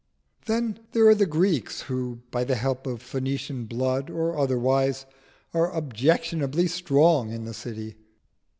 Then there are the Greeks who, by the help of Phoenician blood or otherwise, are objectionably strong in the city.